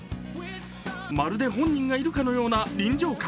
まるで本人がいるかのような臨場感。